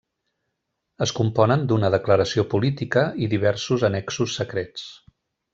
Es componen d'una declaració política i diversos annexos secrets.